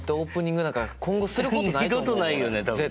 二度とないよね多分ね。